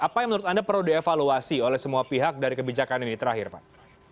apa yang menurut anda perlu dievaluasi oleh semua pihak dari kebijakan ini terakhir pak